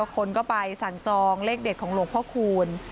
คนก็ไปสั่งจองเลขเด็ดของหลวงพ่อคูณ